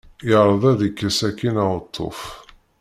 Yeɛreḍ ad yekkes akkin aweṭṭuf.